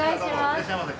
いらっしゃいませ。